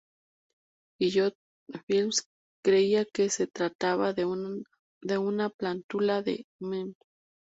Guillot Fils creía que se trataba de una plántula de 'Mme.